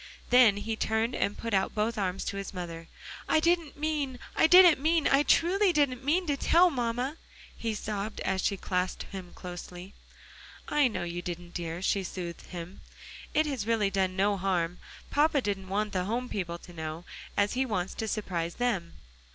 Then he turned and put out both arms to his mother. "I didn't mean I didn't mean I truly didn't mean to tell mamma," he sobbed, as she clasped him closely. "I know you didn't, dear," she soothed him. "It has really done no harm; papa didn't want the home people to know, as he wants to surprise them."